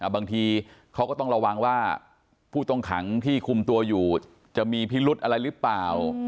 บางทีเขาก็ต้องระวังว่าผู้ต้องขังที่คุมตัวอยู่จะมีพิรุธอะไรหรือเปล่า